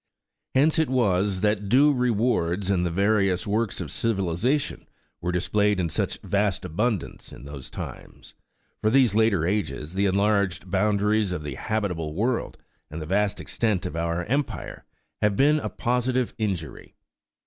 Hence it was that due rewards, and the various works of civilization, were displayed in such vast abundance in those times. For these later ages, the enlarged boundaries of the habitable world, and the vast extent of our empire, have been a positive injury.